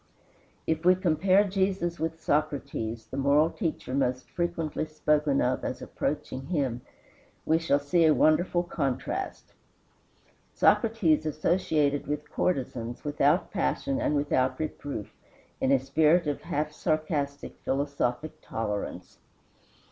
If we compare Jesus with Socrates, the moral teacher most frequently spoken of as approaching him, we shall see a wonderful contrast. Socrates associated with courtesans, without passion and without reproof, in a spirit of half sarcastic, philosophic tolerance.